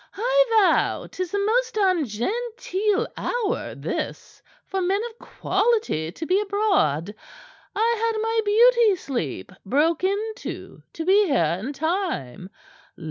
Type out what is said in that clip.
"I vow 'tis a most ungenteel hour, this, for men of quality to be abroad. I had my beauty sleep broke into to be here in time.